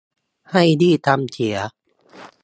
ให้รีบทำเสีย